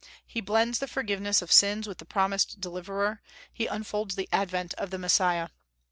He blends the forgiveness of sins with the promised Deliverer; he unfolds the advent of the Messiah.